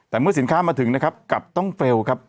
แต่เมื่อสินค้ามาถึงนะครับกลับต้องเฟลล์ครับ